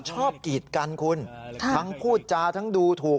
กีดกันคุณทั้งพูดจาทั้งดูถูก